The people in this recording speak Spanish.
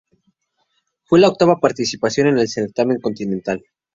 Fue la octava participación en el certamen continental.